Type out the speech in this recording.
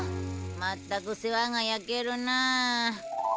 まったく世話がやけるなあ。